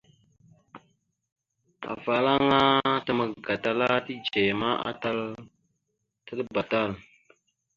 Afalaŋa təmak gatala tidzeya ma, atal taɗəba tal.